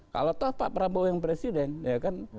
kalau toh pak prabowo yang presiden ya kan